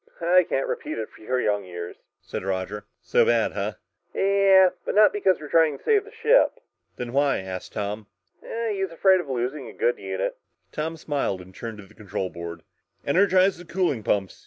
"I can't repeat it for your young ears," said Roger. "So bad, huh?" "Yeah, but not because we're trying to save the ship." "Then why?" asked Tom. "He's afraid of losing a good unit!" Tom smiled and turned to the control board. "Energize the cooling pumps!"